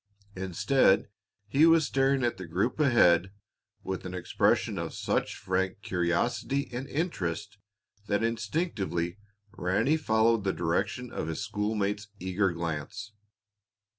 Instead, he was staring at the group ahead with an expression of such frank curiosity and interest that instinctively Ranny followed the direction of his schoolmate's eager glance.